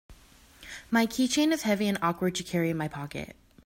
My keychain is heavy and awkward to carry in my pocket.